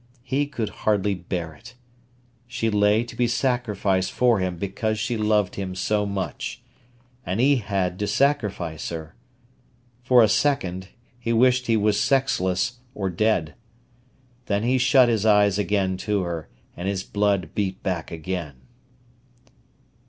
He could hardly bear it. She lay to be sacrificed for him because she loved him so much. And he had to sacrifice her. For a second, he wished he were sexless or dead. Then he shut his eyes again to her, and his blood beat back again.